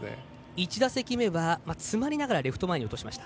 １打席目は詰まりながらレフト前に落としました。